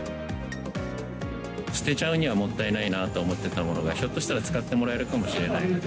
捨てちゃうにはもったいないなと思っていたものが、ひょっとしたら使ってもらえるかもしれないって。